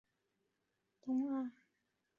海伦斯堡东岸。